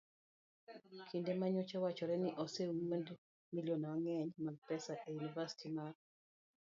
Kinde ma nyocha wachore ni osewuondi milion mang'eny mag pesa e yunivasiti mar